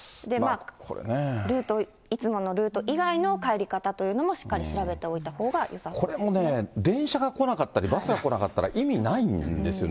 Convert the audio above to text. ルート、いつものルート以外の帰り方というのもしっかり調べておいたほうこれもね、電車が来なかったり、バスが来なかったら意味ないんですよね。